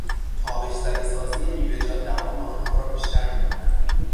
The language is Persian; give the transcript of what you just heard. تابش زده سازی میوهجات دوام آنها را بیشتر میکند.